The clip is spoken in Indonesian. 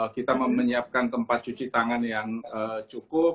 kita menyiapkan tempat cuci tangan yang cukup